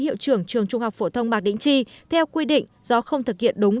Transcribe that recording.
hiệu trưởng trường trung học phổ thông mạc đĩnh tri theo quy định do không thực hiện đúng